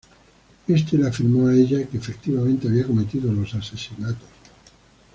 Este le afirmó a ella que efectivamente había cometido los asesinatos.